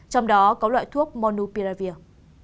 trong đó có loại thuốc monupiravir